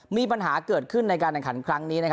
มีปัญหาเกิดขึ้นในการแข่งขันครั้งนี้